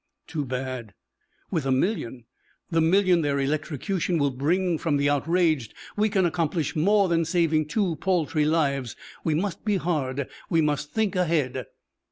"Too bad." "With a million the million their electrocution will bring from the outraged we can accomplish more than saving two paltry lives. We must be hard, we must think ahead."